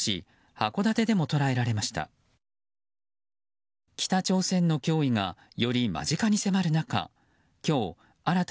函館でも捉えられました。